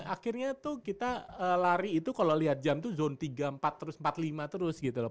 akhirnya tuh kita lari itu kalau lihat jam itu zone tiga empat terus empat puluh lima terus gitu loh